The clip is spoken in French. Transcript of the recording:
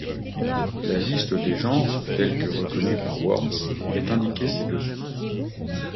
La liste des genres telles que reconnue par WorMs est indiquée ci-dessous.